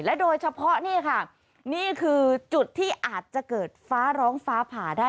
โดยเฉพาะนี่ค่ะนี่คือจุดที่อาจจะเกิดฟ้าร้องฟ้าผ่าได้